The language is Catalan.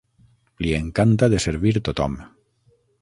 Li encanta de servir tothom.